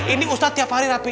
ini ustadz tiap hari rapi